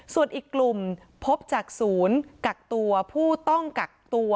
ส่วนอีกกลุ่มพบจากศูนย์กักตัวผู้ต้องกักตัว